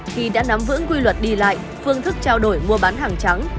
khi đã nắm vững quy luật đi lại phương thức trao đổi mua bán hàng trắng